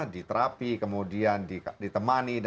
diterapi kemudian ditemani